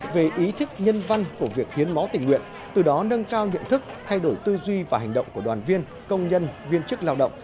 về ý thức nhân văn của việc hiến máu tình nguyện từ đó nâng cao nhận thức thay đổi tư duy và hành động của đoàn viên công nhân viên chức lao động